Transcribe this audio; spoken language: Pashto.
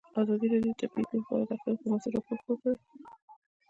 ازادي راډیو د طبیعي پېښې په اړه د حقایقو پر بنسټ راپور خپور کړی.